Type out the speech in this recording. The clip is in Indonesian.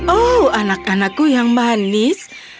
oh anak anakku yang manis